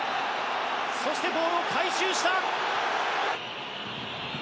そしてボールを回収した！